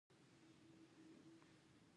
آیا د تنظیف ریاست کارمندان معاش لري؟